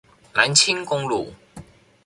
南清公路